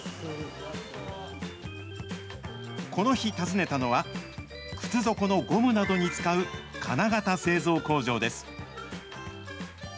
この日訪ねたのは、靴底のゴムなどに使う金型製造工場です。